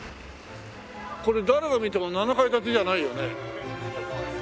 これ誰が見ても７階建てじゃないよね。